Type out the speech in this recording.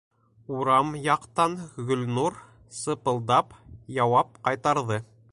Урам яҡтан Гөлнур сипылдап яуап ҡайтарҙы: